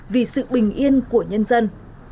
vì sự bình yên của nhân dân